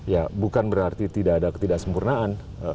ya bukan berarti tidak ada ketidaksempurnaan